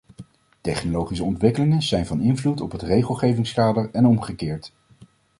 Technologische ontwikkelingen zijn van invloed op het regelgevingskader en omgekeerd.